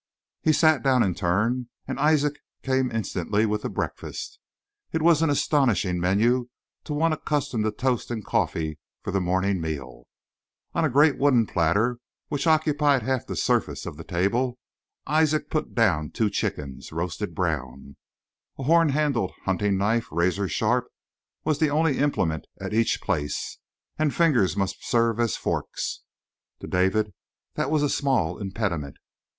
He sat down in turn, and Isaac came instantly with the breakfast. It was an astonishing menu to one accustomed to toast and coffee for the morning meal. On a great wooden platter which occupied half the surface of the table, Isaac put down two chickens, roasted brown. A horn handled hunting knife, razor sharp, was the only implement at each place, and fingers must serve as forks. To David that was a small impediment.